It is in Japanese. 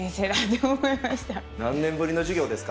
何年ぶりの授業ですか？